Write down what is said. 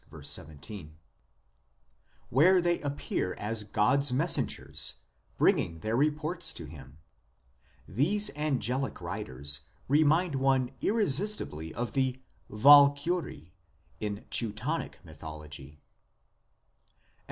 17), where they appear as God s messengers, bringing in their reports to Him. These angelic riders remind one irresistibly of the Walkure in Teutonic Mythology.